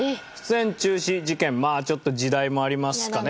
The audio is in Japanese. ちょっと時代もありますかね